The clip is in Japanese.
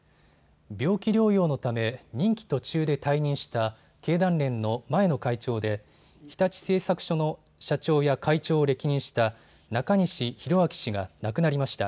病気療養のため任期途中で退任した経団連の前の会長で日立製作所の社長や会長を歴任した中西宏明氏が亡くなりました。